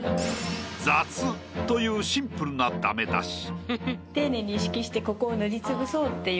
雑というシンプルなダメ出し。